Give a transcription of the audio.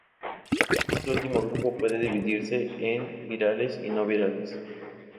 Este último grupo puede dividirse en virales y no virales.